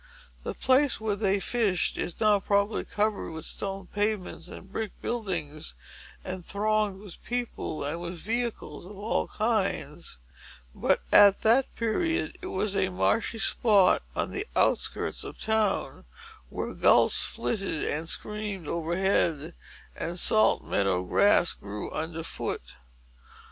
The place where they fished is now, probably, covered with stone pavements and brick buildings, and thronged with people, and with vehicles of all kinds. But, at that period, it was a marshy spot on the outskirts of the town, where gulls flitted and screamed overhead, and salt meadow grass grew under foot.